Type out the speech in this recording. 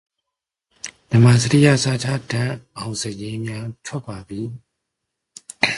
This alerts the military androids to the possible presence of a human.